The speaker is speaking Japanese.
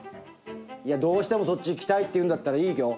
いやどうしてもそっちいきたいっていうんだったらいいよ。